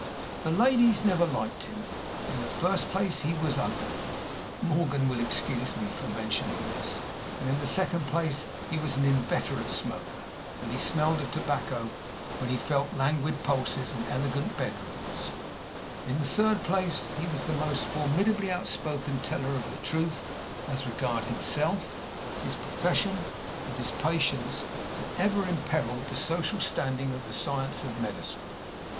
The ladies never liked him. In the first place, he was ugly (Morgan will excuse me for mentioning this); in the second place, he was an inveterate smoker, and he smelled of tobacco when he felt languid pulses in elegant bedrooms; in the third place, he was the most formidably outspoken teller of the truth as regarded himself, his profession, and his patients, that ever imperiled the social standing of the science of medicine.